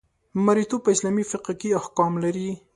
مرییتوب په اسلامي فقه کې احکام لري.